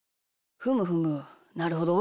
ふむふむなるほど。